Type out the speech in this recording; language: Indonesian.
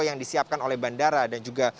yang disiapkan oleh bandara